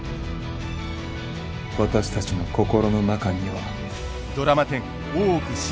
私たちの心の中には。